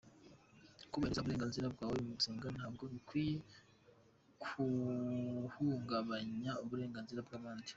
Kubahiriza uburenganzira bwawe mu gusenga ntabwo bikwiye guhungabanya uburenganzira bw’abandi.